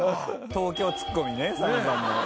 東京ツッコミねＳＡＭさんの。